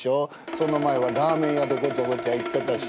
その前はラーメン屋でごちゃごちゃ言ってたし。